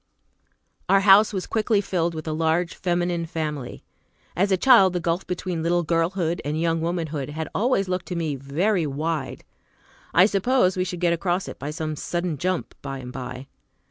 Our house was quickly filled with a large feminine family. As a child, the gulf between little girlhood and young womanhood had always looked to me very wide. I suppose we should get across it by some sudden jump, by and by.